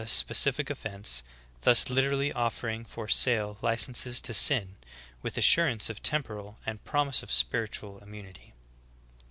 135 specific offense, thus literally offering for sale licenses to sin, with assurance of temporal and promise of spiritual immunity.